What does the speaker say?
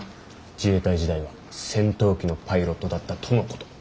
自衛隊時代は戦闘機のパイロットだったとのこと。